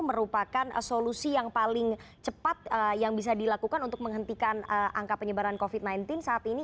merupakan solusi yang paling cepat yang bisa dilakukan untuk menghentikan angka penyebaran covid sembilan belas saat ini